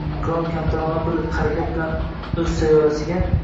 Qirol kamtarona bir harakat bilan o‘z sayyorasiga